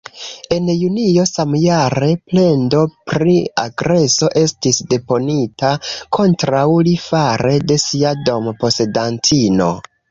En junio samjare, plendo pri agreso estis deponita kontraŭ li fare de sia dom-posedantino.